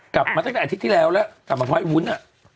กลับมาตั้งแต่อาทิตย์ที่แล้วแล้วกลับมาค่อยวุ้นอ่ะ